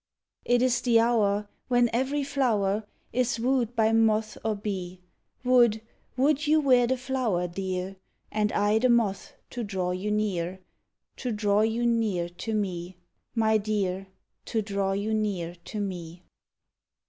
It is the hour When every flower Is wooed by moth or bee Would, would you were the flower, dear, And I the moth to draw you near, To draw you near to me, My dear, To draw you near to me.